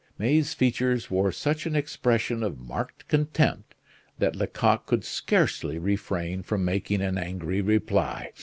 May's features wore such an expression of marked contempt that Lecoq could scarcely refrain from making an angry reply.